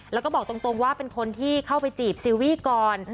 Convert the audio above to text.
แล้วก็บอกตรงว่าเป็นคนที่เข้าไปจีบซีวี่ก่อน